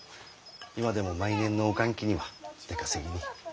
今でも毎年農閑期には出稼ぎに。